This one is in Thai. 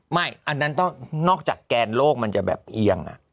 อันนั้นต้องนอกจากแกนโลกมันจะแบบเอียง